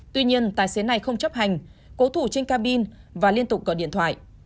tuy nhiên tài xế này không chấp hành cố thủ trên cabin và liên tục gọi điện thoại